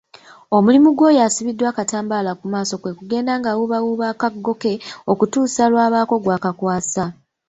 Omulimu gw’oyo asibiddwa akatambaala ku maaso kwe kugenda ng’awuubawuuba akaggo ke okutuusa lw’abaako gw’akwasa.